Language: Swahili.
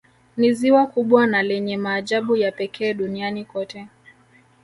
Ni ziwa kubwa na lenye maajabu ya pekee Duniani kote